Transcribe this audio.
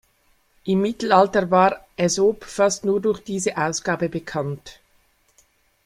Im Mittelalter war Aesop fast nur durch diese Ausgabe bekannt.